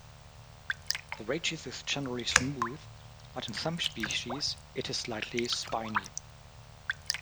The rachis is generally smooth, but in some species it is slightly spiny.